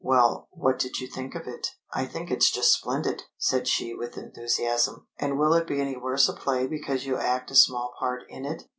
"Well, what do you think of it?" "I think it's just splendid!" said she with enthusiasm. "And will it be any worse a play because you act a small part in it?"